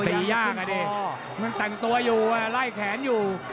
ตียากอ่ะดิมันแต่งตัวอยู่ไล่แขนอยู่